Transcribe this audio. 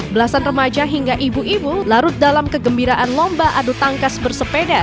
belasan remaja hingga ibu ibu larut dalam kegembiraan lomba adu tangkas bersepeda